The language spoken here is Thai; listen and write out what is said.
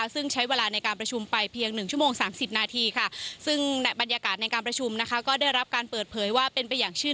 ซึ่งใช้เวลาในการประชุมไปเพียง๑ช๓๐น